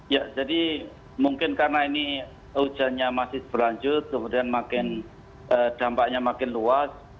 ya jadi mungkin karena ini hujannya masih berlanjut kemudian dampaknya makin luas